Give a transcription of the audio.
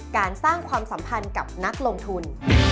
การสร้างความสัมพันธ์กับนักลงทุน